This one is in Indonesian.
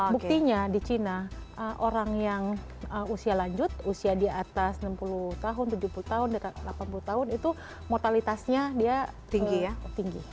buktinya di cina orang yang usia lanjut usia di atas enam puluh tahun tujuh puluh tahun delapan puluh tahun itu mortalitasnya dia tinggi